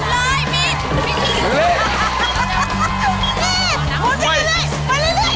ไปเลยไปเลยไปเลย